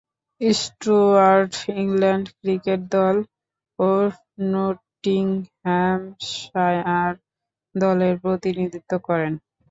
Stewart England cricket দল ও Nottinghamshire দলের প্রতিনিধিত্ব করেন।